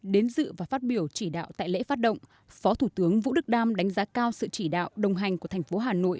đến dự và phát biểu chỉ đạo tại lễ phát động phó thủ tướng vũ đức đam đánh giá cao sự chỉ đạo đồng hành của thành phố hà nội